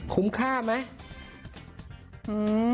คุ้มค่าไหม